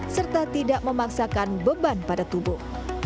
serta tidak memaksakan beban pada tubuh